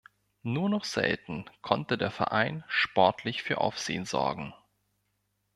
Nur noch selten konnte der Verein sportlich für Aufsehen sorgen.